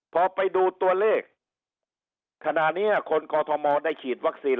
พอไปดูตัวเลขขณะนี้คนกอทมได้ฉีดวัคซีน